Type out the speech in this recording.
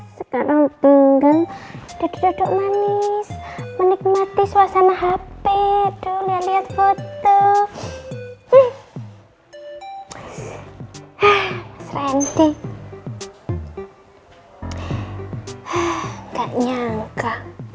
sampai jumpa di video selanjutnya